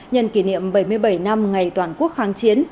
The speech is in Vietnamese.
nhân kỷ niệm bảy mươi bảy năm ngày toàn quốc kháng chiến